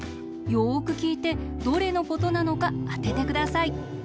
よくきいてどれのことなのかあててください。